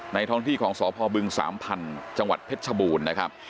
ท้องที่ของสพบึงสามพันธุ์จังหวัดเพชรชบูรณ์นะครับ